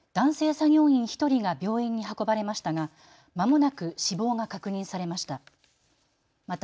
作業員１人が病院に運ばれましたがまもなく死亡が確認されました。